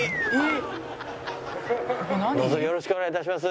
どうぞよろしくお願い致します。